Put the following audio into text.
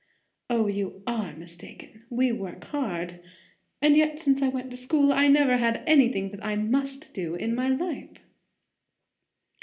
"O, you are mistaken. We work hard. And yet, since I went to school, I never had anything that I must do, in my life."